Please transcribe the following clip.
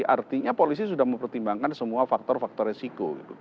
artinya polisi sudah mempertimbangkan semua faktor faktor resiko